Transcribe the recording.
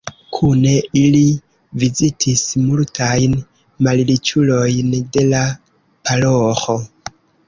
Kune, ili vizitis multajn malriĉulojn de la paroĥo.